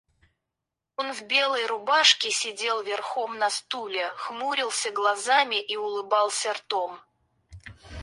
Он в белой рубашке сидел верхом на стуле, хмурился глазами и улыбался ртом.